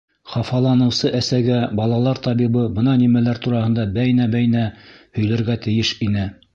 Хафаланыусы әсәгә балалар табибы бына нимәләр тураһында бәйнә-бәйнә һөйләргә тейеш ине!